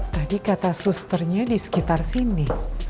tadi kata susternya di sekitar sini